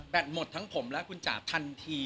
หมดทั้งผมและคุณจ๋าทันที